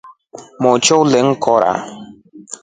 Moto uli in kora.